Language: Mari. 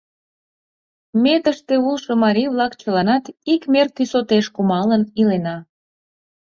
Ме, тыште улшо марий-влак, чыланат ик мер кӱсотеш кумалын илена.